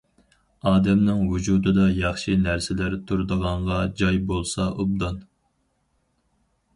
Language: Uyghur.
ئادەمنىڭ ۋۇجۇدىدا ياخشى نەرسىلەر تۇرىدىغانغا جاي بولسا ئوبدان.